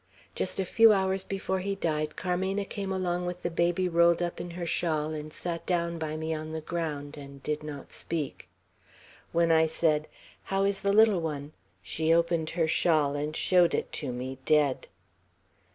Just a few hours before he died, Carmena came along with the baby rolled up in her shawl, and sat down by me on the ground, and did not speak. When I said, 'How is the little one?' she opened her shawl and showed it to me, dead.